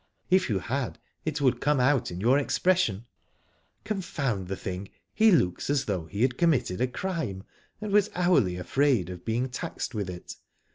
If you had it would come out in your expression, "Confound the thing, he looks as though he had committed a crime, and was hourly afraid of being taxed with it.